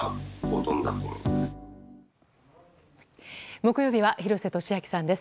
木曜日は廣瀬俊朗さんです。